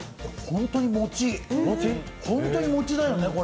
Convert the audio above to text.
本当にお餅、餅だよね。